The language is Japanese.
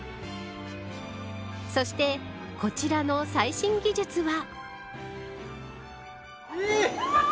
そして、こちらの最新技術は。